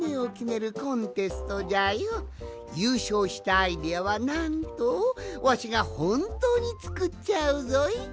ゆうしょうしたアイデアはなんとわしがほんとうにつくっちゃうぞい！